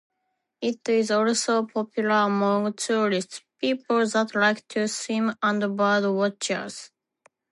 It is also popular among tourists, people that like to swim and bird watchers.